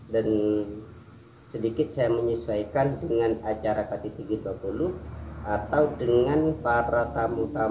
dan sedikit saya menyesuaikan dengan acara ktt g dua puluh atau dengan para tamu tamu kepala negara yang masuk dalam gabungan ktt g dua puluh